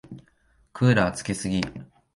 クーラーつけすぎ。